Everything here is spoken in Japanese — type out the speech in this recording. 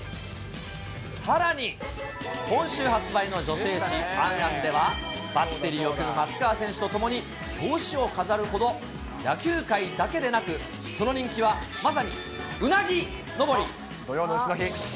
さらに、今週発売の女性誌、アンアンでは、バッテリーを組む松川選手と共に、表紙を飾るほど野球界だけでなくその人気は、土用のうしの日。